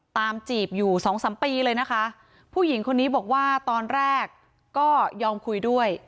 จีบอยู่สองสามปีเลยนะคะผู้หญิงคนนี้บอกว่าตอนแรกก็ยอมคุยด้วย